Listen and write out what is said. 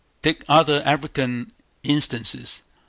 Take other African instances.